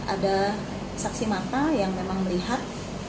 ada saksi mata yang memang melihat